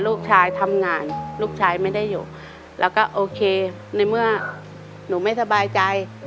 ลูกชายทำงานลูกชายไม่ได้อยู่แล้วก็โอเคในเมื่อหนูไม่สบายใจ